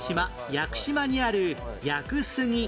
屋久島にある屋久杉